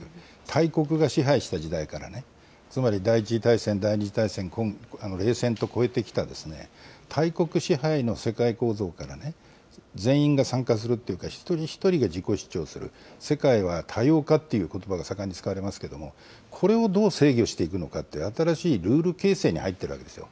大国が支配した時代からね、つまり第１次大戦、第２次大戦、冷戦と越えてきた大国支配の世界構造から全員が参加するっていうか、一人一人が自己主張する、世界は多様化っていうことばが盛んに使われますけども、これをどう制御していくのかって、新しいルール形成に入っているわけですよ。